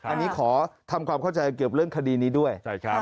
อันนี้ขอทำความเข้าใจเกี่ยวกับเรื่องคดีนี้ด้วย